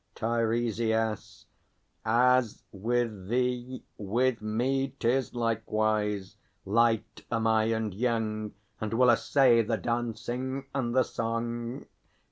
TEIRESIAS. As with thee, With me 'tis likewise. Light am I and young, And will essay the dancing and the song.